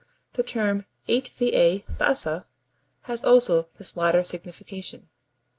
The term 8va bassa has also this latter signification. 46.